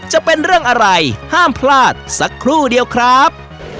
จะเป็นเรื่องอะไรห้ามพลาดสักครู่เดียวครับ